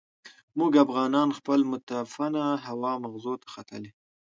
موږ افغانان خپل متعفنه هوا مغزو ته ختلې.